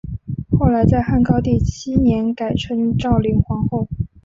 后来在汉高帝七年改称昭灵皇后。